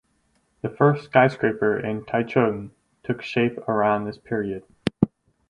The first skyscraper in Taichung took shape around this period.